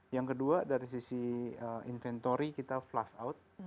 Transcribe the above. yang kedua dari sisi inventory kita flush out